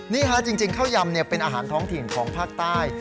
นี่ค่ะจริงจริงเข้ายำเนี่ยเป็นอาหารท้องที่ส์ของภาคใต้